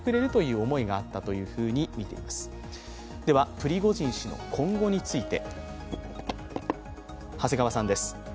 プリゴジン氏の今後について。